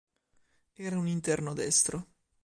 Era un interno destro.